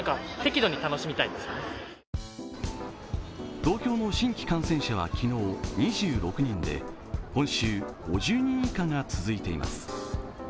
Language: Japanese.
東京の新規感染者は昨日２６人で今週５０人以下が続いています。